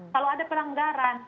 kalau ada pelanggaran